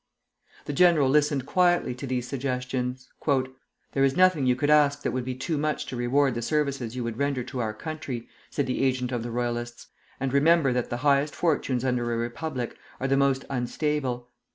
The general listened quietly to these suggestions. "There is nothing you could ask that would be too much to reward the services you would render to our country," said the agent of the Royalists; "and remember that the highest fortunes under a Republic are the most unstable.